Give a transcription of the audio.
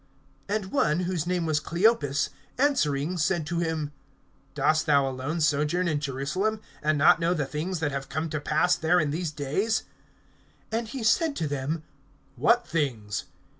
(18)And one, whose name was Cleopas, answering said to him: Dost thou alone sojourn in Jerusalem and not know the things that have come to pass there in these days? (19)And he said to them: What things?